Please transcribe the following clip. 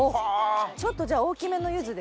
ちょっとじゃあ大きめのゆずですね。